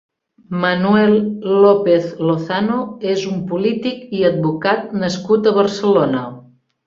Manuel López Lozano és un polític i advocat nascut a Barcelona.